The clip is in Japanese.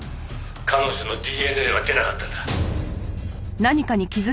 彼女のＤＮＡは出なかったんだ」